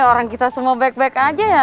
orang kita semua baik baik aja ya